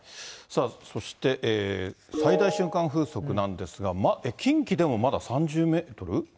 そして最大瞬間風速なんですが、近畿でもまだ３０メートル？